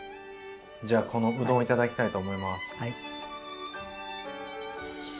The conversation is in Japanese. じゃあこのうどんを頂きたいと思います。